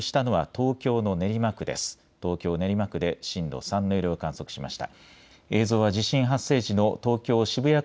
東京の練馬区で震度３の揺れを観測しました。